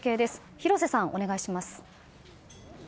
広瀬さん、お願いします。